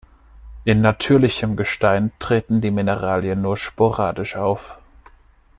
In natürlichem Gestein treten die Mineralien nur sporadisch auf.